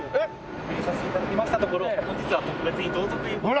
確認させて頂きましたところ本日は特別にどうぞという事に。